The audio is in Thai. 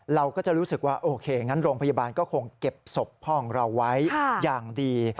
เราก็จะรู้สึกว่าโอเคงั้นโรงพยาบาลก็คงเก็บศพพ่อของเราไว้อย่างดี